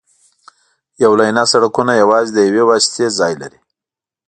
یو لینه سړکونه یوازې د یوې واسطې ځای لري